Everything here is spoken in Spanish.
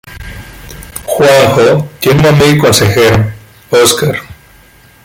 Juanjo tiene un amigo y consejero: Oscar.